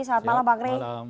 selamat malam bang rey